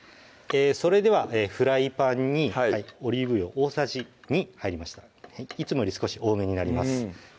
それではフライパンにオリーブ油大さじ２入りましたいつもより少し多めになります